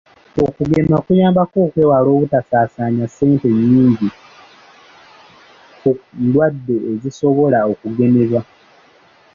Okugema kuyambako okwewala obutaasaanya ssente nnyingi ku ndwadde ezisobola okugemebwa